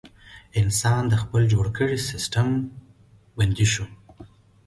انسان د خپل جوړ کړي سیستم بندي شو.